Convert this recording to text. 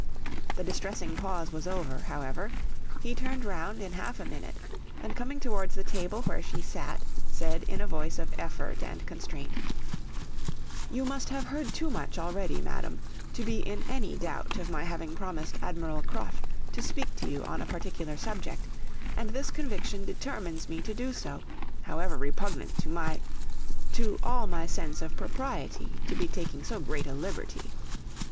The distressing pause was over, however; he turned round in half a minute, and coming towards the table where she sat, said in a voice of effort and constraint 'You must have heard too much already, Madam, to be in any doubt of my having promised Admiral Croft to speak to you on a particular subject, and this conviction determines me to do so, however repugnant to my to all my sense of propriety to be taking so great a liberty!